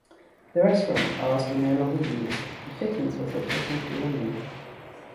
The restaurant cars were no longer used, and fittings were subsequently removed.